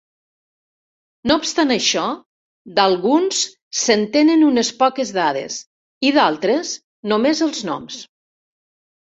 No obstant això, d'alguns se'n tenen unes poques dades i d'altres només els noms.